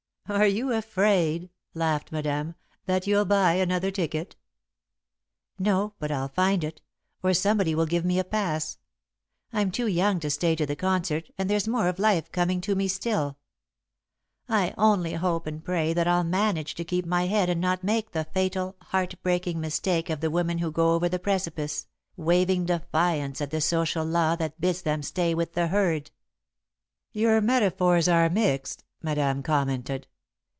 "Are you afraid," laughed Madame, "that you'll buy another ticket?" "No, but I'll find it, or somebody will give me a pass. I'm too young to stay to the concert and there's more of life coming to me still. I only hope and pray that I'll manage to keep my head and not make the fatal, heart breaking mistake of the women who go over the precipice, waving defiance at the social law that bids them stay with the herd." [Sidenote: Mixed Metaphors] "Your metaphors are mixed," Madame commented.